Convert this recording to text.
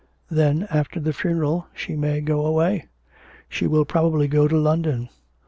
Then, after the funeral, she may go away. She will probably go to London.